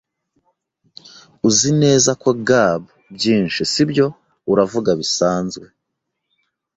Uzi neza ko gab byinshi sibyo? Uravuga bisanzwe.